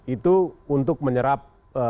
itu untuk menyerap